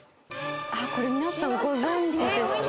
これ皆さんご存じですか？